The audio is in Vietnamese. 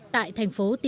tại thành phố timbuktu